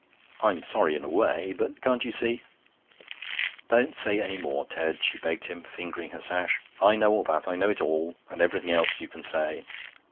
I'm sorry in a way. But can't you see ' 'Don't say any more, Ted,' she begged him, fingering her sash. 'I know all that. I know it all, and everything else you can say.